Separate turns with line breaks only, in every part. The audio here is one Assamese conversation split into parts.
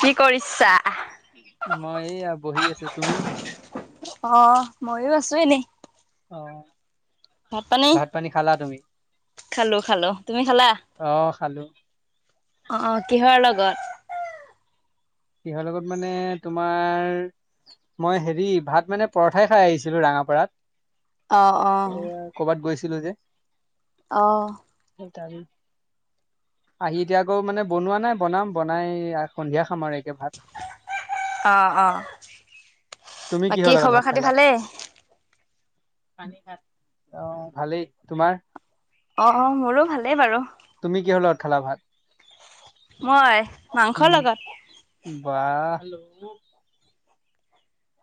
কি কৰিছা।
মই এইয়া বহি আছো তুমি-
অ মইয়ো আছো এনেই
অ ভাত পানী খালা তুমি-
খালোঁ খালোঁ তুমি খালা-
অহ খালো
অ কিহৰ লগত-
কিহৰ লগত মানে তোমাৰ মই হেৰি ভাত মানে পৰঠাই খাই আহিছিলোঁ
অ', অ',
ৰঙাপাৰাত। এ কৰ'বাত গৈছিলোঁ যে।
অ'
আহি এতিয়া আকৌ মানে বনোৱা নাই। বনাম বনাই সন্ধিয়া খামৰ আৰু একে ভাত
অ' অ'
তুমি কিহৰ
বাকী
লগত ভাত
খবৰ খাতি
খালা
ভালে।
অ' ভালেই তোমাৰ
অ' অ' মোৰো ভালেই বাৰু
তুমি কিহৰ লগত খালা ভাত?
মই মাংসৰ
উম
লগত,
বাহ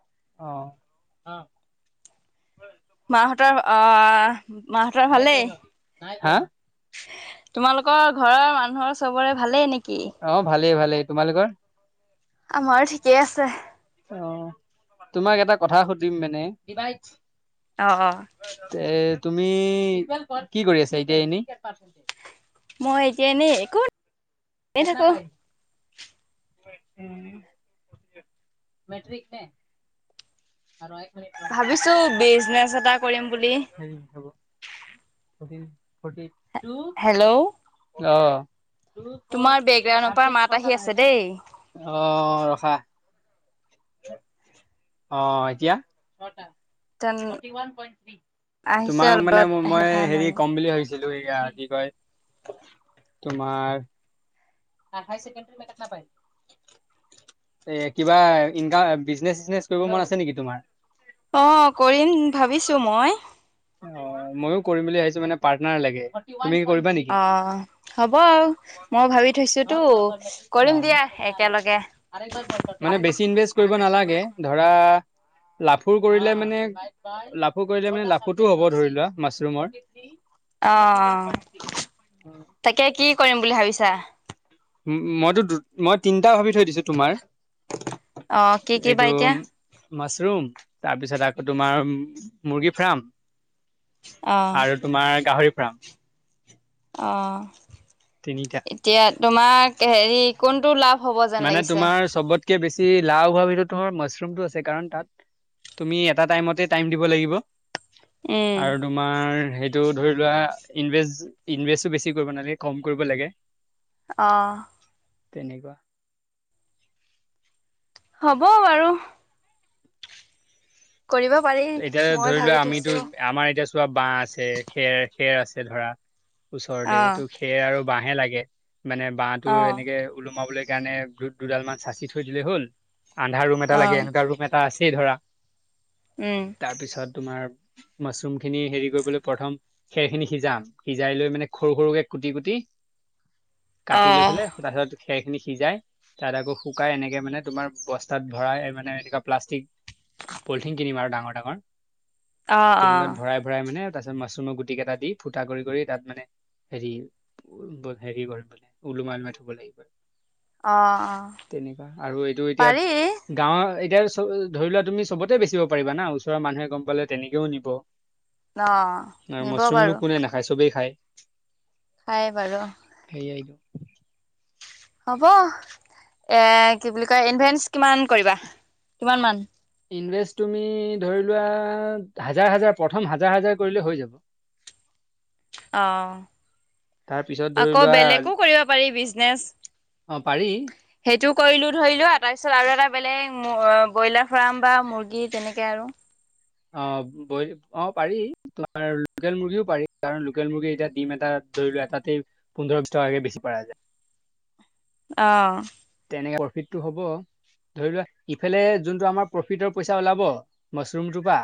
অ'
মাহঁতৰ আহ মাহঁতৰ ভালেই।
হা
তোমালোকৰ ঘৰৰ মানুহৰ চবৰে ভালেই নেকি?
অ ভালেই, ভালেই ।তোমালোকৰ?
আমাৰো ঠিকেই আছে।
অ' তোমাক এটা কথা সুধিম মানে।
অ', অ',
তে তুমি কি কৰি আছা, এতিয়া এনে?
মই এতিয়া এনেই একে।
কেনা পায়। মেট্ৰিক
ভাবিছো বিজনেচ এটা কৰিম বুলি। হেল্ল',
অ'।
তোমাৰ বেকগ্ৰাউণ্ডৰ পৰা মাত
চে
আহি আছে দেই।
অ ৰখা [unintelligible] অ' এতিয়া।
তেন আহিছে
তোমাৰ মানে
অলপত আহি ভাল
মই
আৰু।
কম বুলি ভাবছো। ছিলো। সেয়া কি কয় তোমাৰ হায়াৰ চেকেণ্ড মকট ন পাই। [inaudible] এ কিবা ইনকাম বিজনেচ-চজনেচ কৰিব মন আছে নেকি তোমাৰ?
অ' কৰিম ভাবিছো মই।
অ'ময়ো কৰিম বুলি ভাবিছো। মানে পাৰ্টনাৰ লাগে। তুমি কৰিবা নেকি?
অ' হ'ব আৰু মই ভাবি থৈছোতো কৰিম দিয়া। একেলগে।
মানে বেছি ইনভেষ্ট কৰিব নালাগে ।ধৰা, লাফোৰ কৰিলে মানে লাফোৰ কৰিলে মানে লাফ ক'তো হ'ব ধৰি লোৱা মাছৰুমৰ।
অ' তাকে কি কৰিম বুলি ভাবিছা?
উম, মইতো মই তিনিটা ভাবি থৈ দিছো তোমাৰ।
অ' কি, কি বা
এইটো
এতিয়া?
মাছৰুম তাৰপিছত আকৌ তোমাৰ মুৰ্গী ফাৰ্ম।
অ।
আৰু তোমাৰ গাহৰি ফাৰ্ম। তিনিটা।
অ'এতিয়া তোমাৰ হেৰি কোনটো লাভ হ'ব যেন
মানে
লাগিছে?
তোমাৰ চবতকে বেছি লাও হোৱাৰ ভিতৰত তমাৰ মছৰুমটো আছে কাৰ তাত তুমি এটা টাইম দিব লাগিব।
উম।
আৰু তোমাৰ সেইটো ধৰি লোৱা ইনভে ইনভেষ্টো বেছি কৰিব নালাগে। কম কৰিব লাগে।
আহ।
তেনেকুৱা।
হ'ব বাৰু। কৰিব পাৰি
এতিয়া
মই
ধৰি
ভাবি
লোৱা আমিতো
থৈছো।
আমাৰ এতিয়া চোৱা বাঁহ আছে, খেৰ খেৰ আছে ধৰা।
অ।
ওচৰতে তো খেৰ আৰু বাঁহে লাগে। মানে বাঁহটো
অ।
এনেকে ওলোমাবলৈ বা সেইকাৰণে দু-দুডাল মান চাচি থৈ দিলে হল। আন্ধাৰ ৰুম এটা
অ
লাগে, এনেকুৱা ৰুম এটা এটা আছেই ধৰা।
উম।
তাৰ পিছত তোমাৰ মাছৰুম খিনি হেৰি কৰিবলৈ প্ৰথম খেৰ খিনি সিজাম। সিজাই লৈ মানে সৰু-সৰুকে কুটি-কুটি
[inaudible] অ।
কাটি লৈ পেলাই তাছত খেৰ খিনি সিজাই তাত আকৌ শুকাই এনেকে মানে তোমাৰ বস্তাত ভৰাই মানে এনেকুৱা প্লাষ্টিক পলিথিন কিনিম আৰু ডাঙৰ ডাঙৰ।
অ অ।
তেনেকোৱাত ভৰাই ভৰাই মানে তাৰপিছত মাচৰুমৰ গুটি কেইটা দি ফুটা কৰি কৰি তাত মানে হেৰি হেৰি কৰিম বোলে ওলোমাই ওলোমাই থব লাগিব।
অ অ।
তেনেকোৱা আৰু এইটো এতিয়া
পাৰি
গাঁৱৰ এতিয়া চ ধৰি লোৱা তুমি চবতে বেচিব পাৰিবা না। ওচৰৰ মানুহে গম পালে তেনেকেও নিব।
অ
আৰু
নিব বাৰু
মাছৰুমনো কোনে নাখায়? চবেই খায়।
খাই বাৰু।
সেয়াইটো
হ'ব, এ কি বুলি কয় ইনভেনছ কিমান কৰিবা? কিমান মান?
ইনভেষ্ট তুমি ধৰি লোৱা হাজাৰ-হাজাৰ, প্ৰথম হাজাৰ-হাজাৰ কৰিলে হৈ যাব। তাৰ পিছত
অহ।
ধৰি
আকৌ
লোৱা
বেলেকো কৰিব পাৰি। বিজনেচ
অ পাৰি
সেইটো কৰিলো ধৰিলো আ তাৰপিছত আৰু এটা বেলেগ ব্ৰইলাৰ ফাৰ্ম বা মুৰ্গী তেনেকে আৰু।
অ ব অ পাৰি। তোমাৰ লোকেল মুৰ্গীও পাৰি। কাৰণ লোকেল মুৰ্গীৰ এতিয়া দিম এটা ধৰি লোৱা এটাতেই পোন্ধৰ, বিছ টকাকে বেছি পৰা যায়।
অহ।
এনে প্ৰফিতটো হ'ব। ধৰি লোৱা ইফালে যোনটো আমাৰ প্ৰফিটৰ পইচা ওলাব মাছৰুমটো পৰা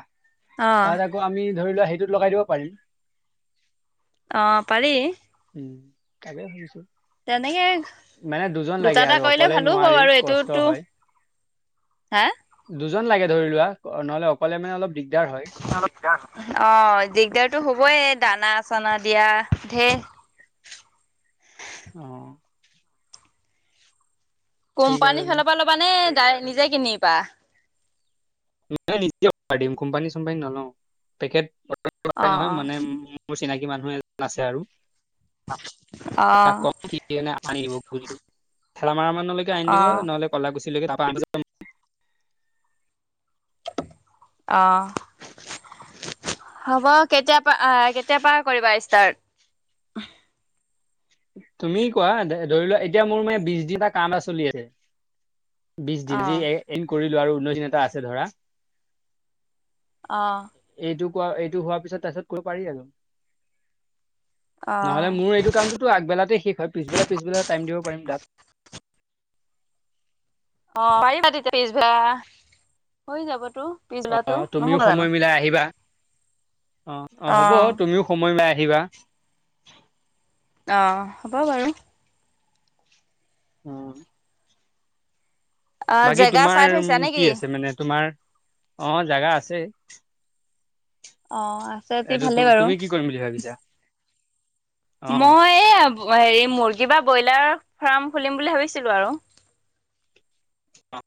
অ
তাত আকৌ আমি ধৰি লোৱা হেইটোত লগাই দিব পাৰিম।
অ পাৰি।
কাইলৈ সুধিছো।
তেনেকে
লাগে
দুটা এটা
আৰু
কৰিলে
অকলে
ভালো হ'ব
নোৱাৰি
বাৰু।
কষ্ট
এইটোতটো
হয়
হা?
দুজন লাগে ধৰি লোৱা। নহ'লে অকলে মানে অলপ দিগ
অ দিগদাৰতো হ'বই দানা চানা দিয়া ঢেৰ।
অ।
কম্পানীৰ
সেইকাৰণে
ফালৰ পৰা ল'বা নে? ডাই নিজে কিনিবা?
নাই নিজেই অৰ্ডাৰ দিম, কোম্পানী চোম্পানী নলও। পেকেট [unintelligible]
অ
নহয়
অ
মানে মোৰ চিনাকি মানুহ এজন আছে আৰু। তাক
অ',
কম কি [unintelligible] কে আনি দিব
অ',
নহলে কলাকুছিলৈকে তাৰপৰা [unintelligible]
অ হ'ব কেতিয়া পা আহ কেতিয়া পা কৰিবা ষ্টাৰ্ট?
তুমি কোৱা। ধৰি লোৱা এতিয়া মোৰ মানে বিছ দিনটা কাম এটা চলি আছে। বিছ
অ'।
দিন যি এণ্ড কৰিলো আৰু ঊনৈছ দিন এটা আছে ধৰা।
অঁ।
এইটো কোৱা একো হোৱা পিছত কৰিব পাৰি আৰু নহলে
অ'।
মোৰ টো আগবেলাতে শেষ হয় পিছবেলা পিছবেলা টাইম দিব পাৰিম তাত-
অ পাৰিবা তেতিয়া পিছ ভা হৈ যাব।
অ
পিছলাটো
তুমিও
নহ'ব ন
সময়
জানো।
মিলাই আহিবা অ অ হ'ব তুমিও সময় মাই আহিবা।
অ হ'ব বাৰু-
অ
অ',
বাকী
জেগা চাই
তোমাৰ
থৈছা
কি
নেকি?
আছে মানে তোমাৰ অ জেগা আছে।
অ', আছে যদি
এইটো
ভালেই বাৰু।
তুমি কি কৰিম বুলি ভাবিছা।
মই হেৰি মুৰ্গী বা বইল- ফাৰ্ম খুলিম বুলি ভাবিছিলোঁ।
অ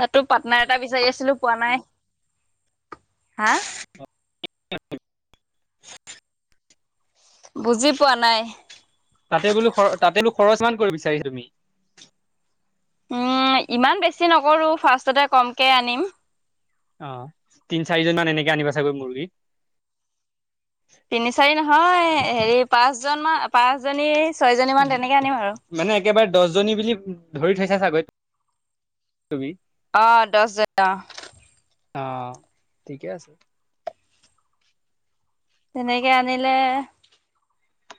তাতো পাট্নাৰ এটা বিচাৰি আছিলো পোৱা নাই হা।
[inaudible]
বুজি পোৱা নাই।
তাতে বোলো খৰ তাতেলো খৰচ মান কৰিব বিচাৰিছা তুমি।
উম ইমান বেছি নকৰো ফাৰ্ষ্টতে কমকে আনিম।
অ তিন চাৰিজন মান এনেকে আনিবা চাগৈ মুৰ্গী।
তিনি চাৰি নহয় হেৰি পাঁচ জন ম পাঁচজনী ছয়জনী মান তেনেকে আনিম আৰু।
মানে একেবাৰে দহ জনী বুলি। ধৰি থৈছা চাগৈ তুমি।
আহ দহ জনীৰ।
আহ ঠিকে আছে।
তেনেকে আনিলে।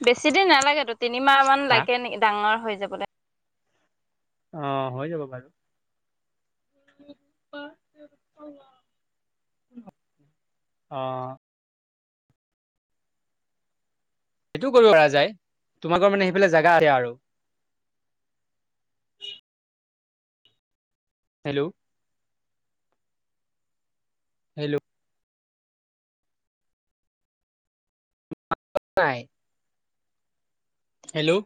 বেছি দিন নালাগেতো তিনিমাহ মান
হা
লাগে ডাঙৰ হৈ যাবলৈ।
অ হৈ যাব পাৰে। আহ। সেইটোও কৰিব পৰা যায় তোমালোকৰ মানে সেইফালে জেগা আছে ।আৰু
আ
হেল্ল' হেল্ল' নাই হেল্ল'